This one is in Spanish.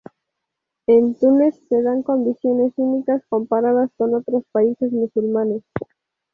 En Túnez se dan condiciones únicas comparadas con otros países musulmanes.